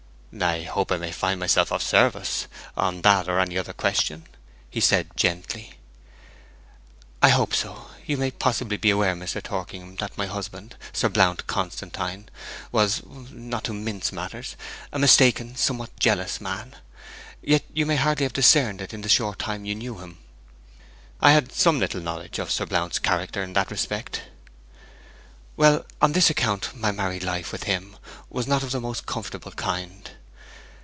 'I hope I may find myself of service, on that or any other question,' he said gently. 'I hope so. You may possibly be aware, Mr. Torkingham, that my husband, Sir Blount Constantine, was, not to mince matters, a mistaken somewhat jealous man. Yet you may hardly have discerned it in the short time you knew him.' 'I had some little knowledge of Sir Blount's character in that respect.' 'Well, on this account my married life with him was not of the most comfortable kind.'